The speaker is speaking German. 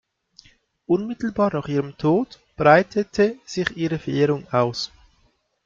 Unmittelbar nach ihrem Tod breitete sich ihre Verehrung aus.